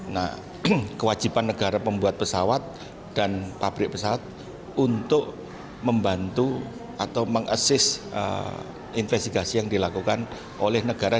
nah kewajiban negara pembuat pesawat dan pabrik pesawat untuk membantu atau mengasist investigasi yang dilakukan oleh negara